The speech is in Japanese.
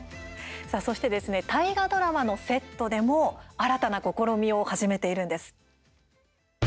そして、大河ドラマのセットでも新たな試みを始めているんです。